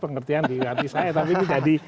pengertian di hati saya tapi itu jadi